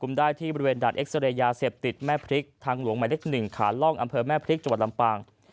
อำเภอแม่พลิกจังหวัดลำปาง